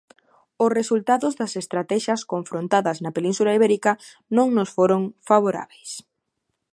Os resultados das estratexias confrontadas na Península Ibérica non nos foron favorábeis.